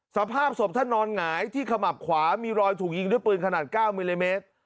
สภาพศพท่านนอนหงายที่ขมับขวามีรอยถูกยิงด้วยปืนขนาด๙มิลลิเมตร